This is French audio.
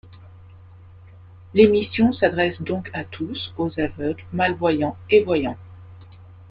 L'émission s'adresse donc à tous, aux aveugles, malvoyants et voyants.